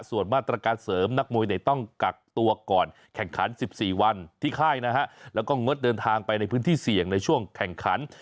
ส่วนมาตรการเสริมนักมวยเด็กต้องกักตัวก่อนแข่งขัน๑๔วันที่ค่ายนะฮะแล้วก็งดเดินทางไปในพื้นที่เสี่ยงในช่วงแข่งขัน